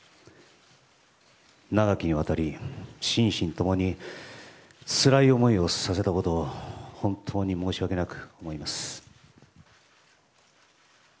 長きにわたり心身共につらい思いをさせたことを本当に申し訳なく思います。